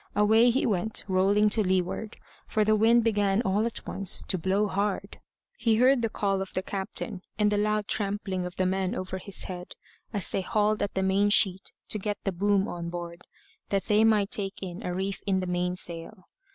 Away he went rolling to leeward, for the wind began all at once to blow hard. He heard the call of the captain, and the loud trampling of the men over his head, as they hauled at the main sheet to get the boom on board that they might take in a reef in the mainsail.